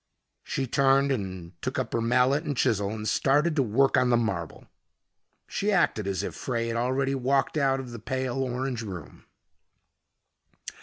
She turned, took up her mallet and chisel, and started to work on the marble. She acted as if Frey had already walked out of the pale orange room.